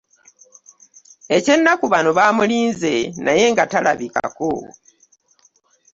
Ekyennaku bano bamulinze naye bga talabikako